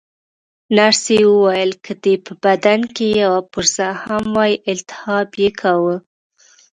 نرسې وویل: که دې په بدن کې یوه پرزه هم وای، التهاب یې کاوه.